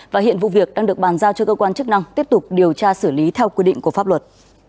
và hiện vụ việc đang được bàn giao cho cơ quan chức năng tiếp tục điều tra xử lý theo quy định của pháp luật